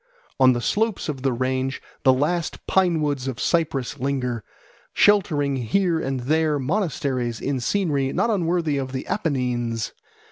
On the slopes of the range the last pine woods of Cyprus linger, sheltering here and there monasteries in scenery not unworthy of the Apennines.